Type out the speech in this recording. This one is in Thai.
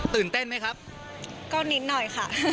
ตื่นเต้นไหมครับก็นิดหน่อยค่ะ